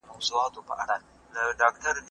که غواړې چې پوهه دې زیاته شي، نو مسواک وهه.